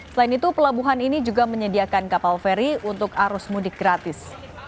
selain itu pelabuhan ini juga menyediakan kapal feri untuk arus mudik gratis